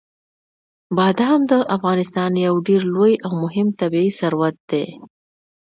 بادام د افغانستان یو ډېر لوی او مهم طبعي ثروت دی.